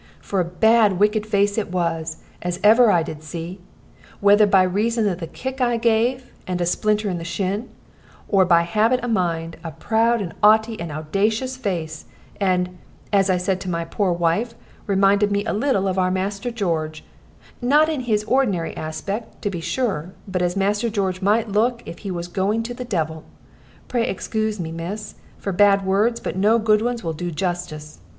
For a bad wicked face it was, as ever I did see; whether by reason of the kick I gave, and a splinter in the shin, or by habit of the mind, a proud and 'aughty and owdacious face, and, as I said to my poor wife, reminded me a little of our Master George; not in his ordinary aspect, to be sure, but as Master George might look if he was going to the devil. Pray excoose me, miss, for bad words, but no good ones will do justice.